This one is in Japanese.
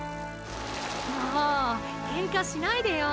もうーケンカしないでよー。